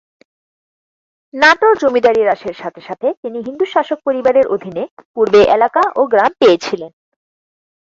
নাটোর জমিদারি হ্রাসের সাথে সাথে তিনি হিন্দু শাসক পরিবারের অধীনে পূর্বে এলাকা ও গ্রাম পেয়েছিলেন।